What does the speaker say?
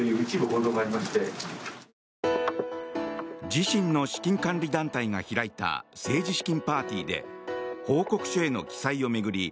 自身の資金管理団体が開いた政治資金パーティーで報告書への記載を巡り